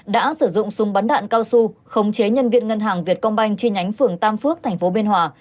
đã sử dụng súng bắn đạn cao su khống chế nhân viên ngân hàng việt công banh chi nhánh phường tam phước thành phố bên hòa